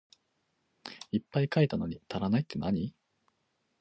いっぱい書いたのに足らないってなに？